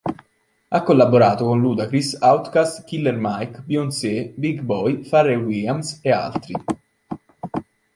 Ha collaborato con Ludacris, OutKast, Killer Mike, Beyoncé, Big Boi, Pharrell Williams e altri.